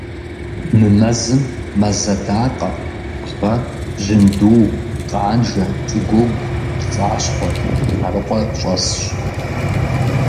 Мы мэзым мэз адакъэ, бгъэ, жьынду, къанжэ, кӀыгуугу, пцӀащхъуэр, тхьэрыкъуэ щӀэсщ.